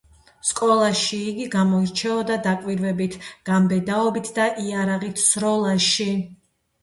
სკოლაში იგი გამოირჩეოდა დაკვირვებით, გამბედაობით და იარაღით სროლაში.